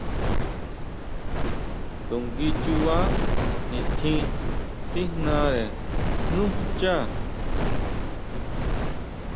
To ngui chuba nitjín tíjnare nú xchá.